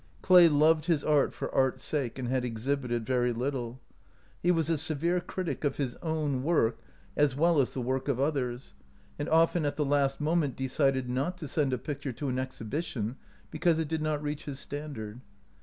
Clay loved his art for art's sake, and had exhibited very little. He was i97 OUT OF BOHEMIA a severe critic of his own work as well as the work of others, and often at the last moment decided not to send a picture to an exhibition because it did not reach his stand ard.